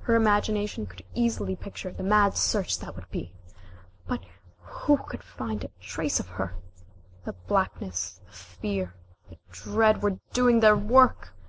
Her imagination could easily picture the mad search that would be made but who could find a trace of her? The blackness, the fear, the dread, were doing their work!